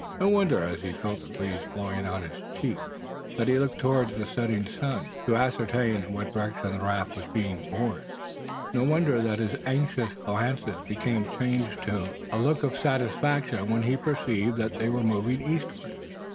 No wonder, as he felt the breeze blowing on his cheek, that he looked towards the setting sun, to ascertain in what direction the raft was being borne. No wonder that his anxious glance became changed to a look of satisfaction when he perceived that they were moving eastward.